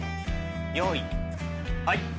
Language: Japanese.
よいはい。